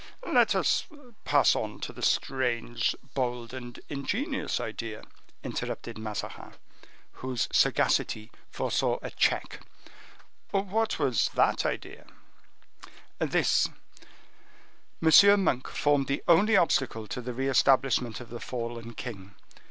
"Let us pass on to the strange, bold and ingenious idea," interrupted Mazarin, whose sagacity foresaw a check. "What was that idea?" "This—M. Monk formed the only obstacle to the re establishment of the fallen king.